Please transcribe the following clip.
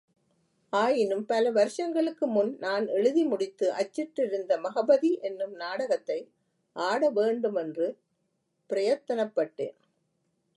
ஆயினும் பல வருஷங்களுக்கு முன் நான் எழுதி முடித்து அச்சிட்டிருந்த மகபதி என்னும் நாடகத்தை ஆட வேண்டுமென்று பிரயத்தனப்பட்டேன்.